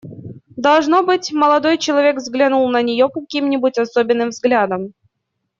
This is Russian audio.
Должно быть, молодой человек взглянул на нее каким-нибудь особенным взглядом.